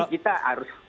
jadi kita harus